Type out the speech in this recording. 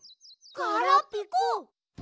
ガラピコ！